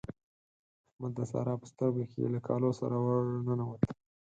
احمد د سارا په سترګو کې له کالو سره ور ننوت.